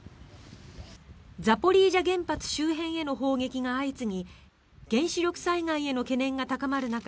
ザポリージャ原発周辺への砲撃が相次ぎ原子力災害への懸念が高まる中